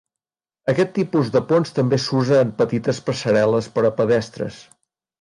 Aquest tipus de ponts també s'usa en petites passarel·les per a pedestres.